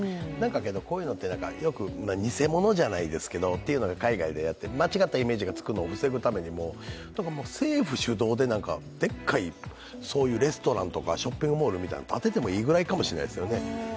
こういうのってよく偽物じゃないですけどっていうのを海外でやってる間違ったイメージがつくのを防ぐためにも政府主導ででっかいそういうレストランとかショッピングモールみたいのを建ててもいいくらいですよね。